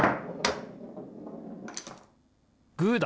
グーだ！